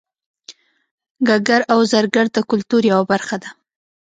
ګګر او زرګر د کولتور یوه برخه دي